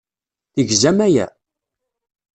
Tegzam aya?